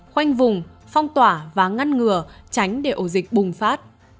khoanh vùng phong tỏa và ngăn ngừa tránh để ổ dịch bùng phát